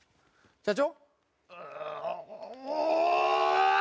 社長？